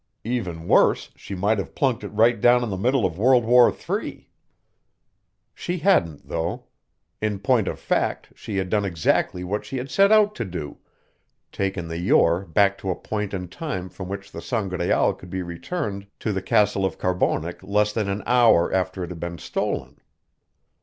Even worse, she might have plunked it right down in the middle of WWIII! She hadn't, though. In point of fact, she had done exactly what she had set out to do taken the Yore back to a point in time from which the Sangraal could be returned to the castle of Carbonek less than an hour after it had been stolen.